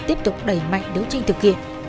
tiếp tục đẩy mạnh đấu tranh thực hiện